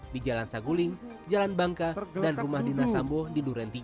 di jalan saguling jalan bangka dan rumah dinas sambo di duren tiga